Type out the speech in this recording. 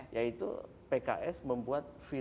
yaitu pks membuat film